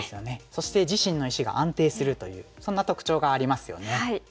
そして自身の石が安定するというそんな特徴がありますよね。